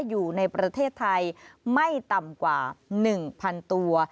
อยู่ในประเทศไทยไม่ต่ำกว่า๑๐๐๐ตัว